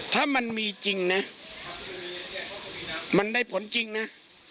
ถ้ามันมีจริงนะมันได้ผลจริงนะ